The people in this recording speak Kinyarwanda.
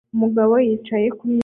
Umugabo yicaye kumeza